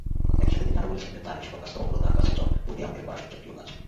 একই সাথে তিনি আরো বলেছেন যে তার এসকল কাজকর্ম হলো তার কাছে জন উইলিয়ামস এর করা সবচেয়ে প্রিয় কাজ।